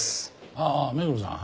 ああ目黒さん？